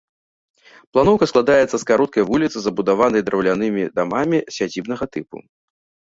Планоўка складаецца з кароткай вуліцы, забудаванай драўлянымі дамамі сядзібнага тыпу.